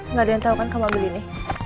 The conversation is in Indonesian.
nggak ada yang tau kan ke mobil ini